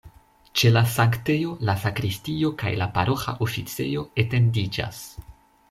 Ĉe la sanktejo la sakristio kaj la paroĥa oficejo etendiĝas.